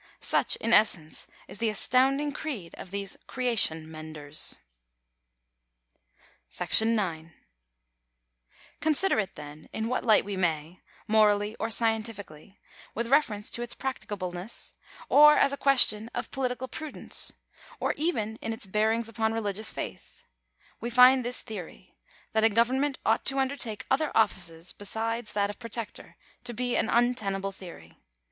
Such, in essence, is the astounding creed of these creation menders. §9 Consider it then in what light we may — morally or scientifi cally, with reference to its practicableness, or as a question of Digitized by VjOOQIC THE LIMIT OF STATE DUTY. 295 political prudence, or even in its bearings upon religious faith — we find this theory, that a government ought to undertake other offices besides that of protector, to be an untenable theory.